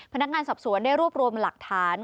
พนักงานสอบสวนได้รวบรวมหลักฐาน